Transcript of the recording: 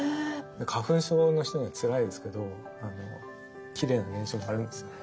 花粉症の人にはつらいですけどきれいな現象もあるんですよね。